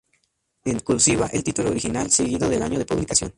En "cursiva" el título original, seguido del año de publicación.